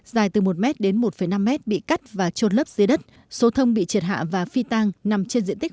dài từ một m đến một năm m bị cắt và trôn lấp dưới đất số thông bị triệt hạ và phi tang nằm trên diện tích